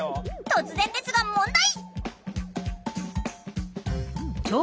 突然ですが問題！